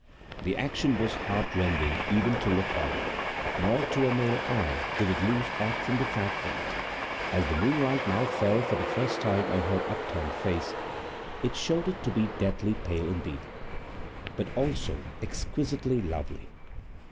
The action was heartrending even to look on; nor, to a male eye, did it lose aught from the fact that, as the moonlight now fell for the first time on her upturned face, it showed it to be deathly pale indeed, but also exquisitely lovely.